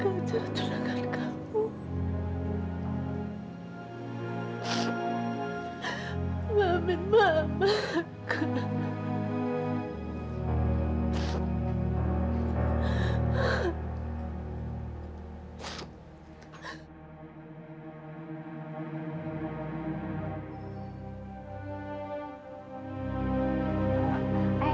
mama gak bisa datang ke acara cunangan kamu